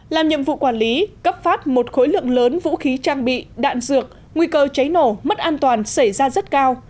làm nhiệm vụ quản lý cấp phát một khối lượng lớn vũ khí trang bị đạn dược nguy cơ cháy nổ mất an toàn xảy ra rất cao